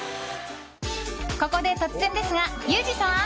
ここで突然ですが、ユージさん。